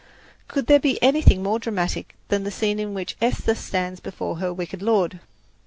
Could there be anything more dramatic than the scene in which Esther stands before her wicked lord?